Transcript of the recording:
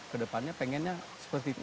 ke depannya pengennya seperti itu